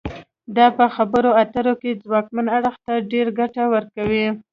دا په خبرو اترو کې ځواکمن اړخ ته ډیره ګټه ورکوي